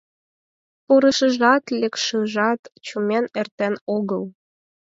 Пурышыжат, лекшыжат чумен эртен огыл